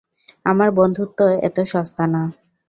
আমার বন্ধুত্ব এত সস্তা না।